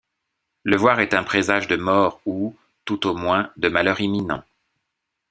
Les voir est un présage de mort ou, tout au moins, de malheur imminent.